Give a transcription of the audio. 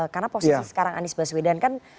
karena posisi sekarang anies baswedan kan